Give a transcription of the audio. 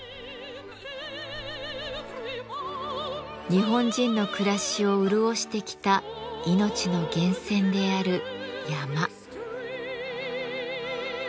日本人の暮らしを潤してきた命の源泉である山。